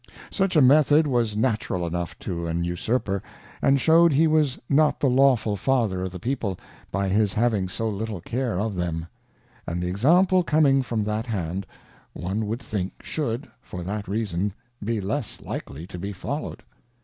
Such a Method was natural enough to an Usurper, and shew'd he was not the Lawful Father of the People, by his having so little c are of them ; and the Example coming from that hand, one would think should, for that Reason, be less likely to be foUow'd.